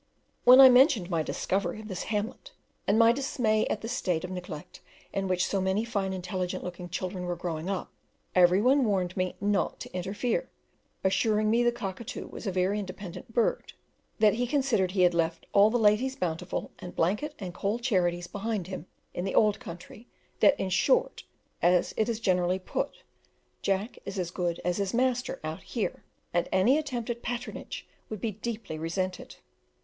When I mentioned my discovery of this hamlet, and my dismay at the state of neglect in which so many fine intelligent looking children were growing up, every one warned me not to interfere, assuring me the Cockatoo was a very independent bird, that he considered he had left all the Ladies Bountiful and blanket and coal charities behind him in the old country; that, in short, as it is generally put, "Jack is as good as his master" out here, and any attempt at patronage would be deeply resented.